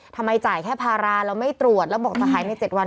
จ่ายแค่ภาระแล้วไม่ตรวจแล้วบอกจะหายใน๗วัน